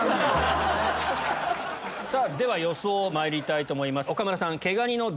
では予想まいりたいと思います岡村さん。